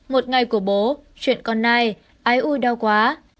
một ngày của bố chuyện con này ai ui đau quá